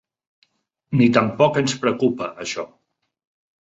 Ni tampoc ens preocupa això.